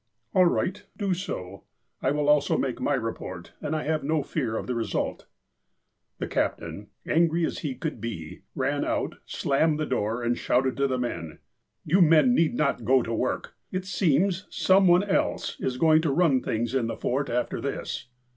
"All right, do so. I will also make my report, and I have no fear of the result." The captain, angry as he could be, ran out, slammed the door, and shouted to the men : "You men need not go to work. It seems some one else is going to run things in the Fort after this."